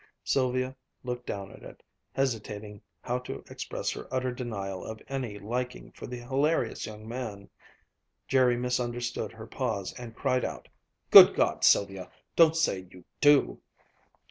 Sylvia looked down at it, hesitating how to express her utter denial of any liking for the hilarious young man. Jerry misunderstood her pause and cried out: "Good God! Sylvia! Don't say you _do.